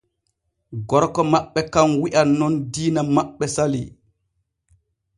Gorko maɓɓe kan wi’an nun diina maɓɓe salii.